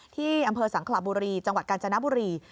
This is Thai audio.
ที่อำเภอสังขลาบุรีจังหวัดกาญจนบุรี